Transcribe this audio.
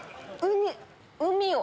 海を！